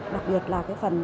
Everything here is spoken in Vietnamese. đặc biệt là phần thẩm vấn